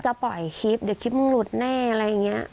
ปล่อยคลิปเดี๋ยวคลิปมึงหลุดแน่อะไรอย่างนี้